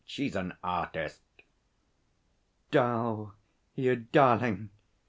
She's an artist.' ''Dal, you darling!'